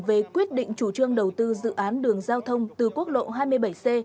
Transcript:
về quyết định chủ trương đầu tư dự án đường giao thông từ quốc lộ hai mươi bảy c